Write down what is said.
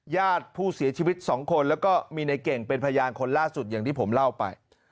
ญาติผู้เสียชีวิต๒คนแล้วก็มีในเก่งเป็นพยานคนล่าสุดอย่างที่ผมเล่าไป